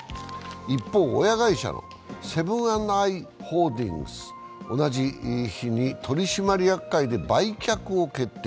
一方、親会社のセブン＆アイ・ホールディングス、同じ日に取締役会で売却を決定。